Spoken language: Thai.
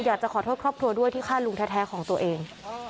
อยากจะขอโทษครอบครัวด้วยที่ฆ่าลุงแท้ของตัวเอง